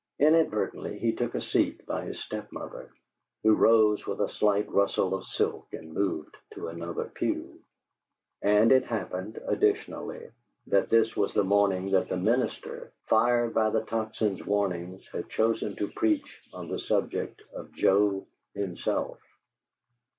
Inadvertently, he took a seat by his step mother, who rose with a slight rustle of silk and moved to another pew; and it happened, additionally, that this was the morning that the minister, fired by the Tocsin's warnings, had chosen to preach on the subject of Joe himself.